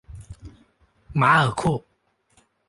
马尔库。